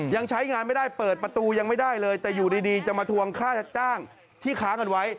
ยังใช้งานไม่ได้เปิดประตูยังไม่ได้เลยแต่อยู่ดีจะมาทวงค่าจ้างที่ค้างกันไว้